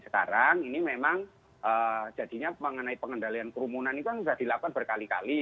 sekarang ini memang jadinya mengenai pengendalian kerumunan itu kan sudah dilakukan berkali kali